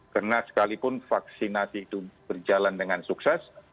karena sekalipun vaksinasi itu berjalan dengan sukses